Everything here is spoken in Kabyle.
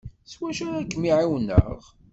S wacu ara kem-ɛiwneɣ?